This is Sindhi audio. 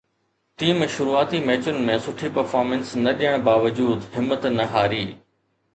ٽيم شروعاتي ميچن ۾ سٺي پرفارمنس نه ڏيڻ باوجود همت نه هاري